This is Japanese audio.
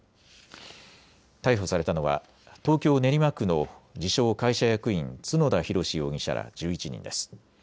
逮捕されたのは東京練馬区の自称・会社役員、角田弘容疑者ら１１人です。